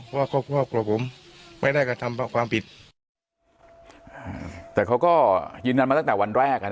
เพราะว่าพวกเราผมไม่ได้การทำความผิดแต่เขาก็ยืนกันมาตั้งแต่วันแรก